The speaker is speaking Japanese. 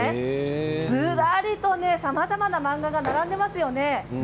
ずらりと、さまざまな漫画が並んでいますよね。